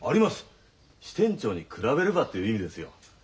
支店長に比べればっていう意味ですよ。